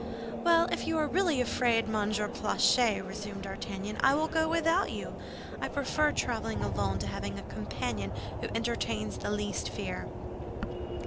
"Well, if you are really afraid, Monsieur Planchet," resumed D'Artagnan, "I will go without you. I prefer traveling alone to having a companion who entertains the least fear."